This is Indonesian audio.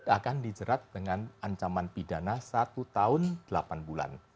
akan dijerat dengan ancaman pidana satu tahun delapan bulan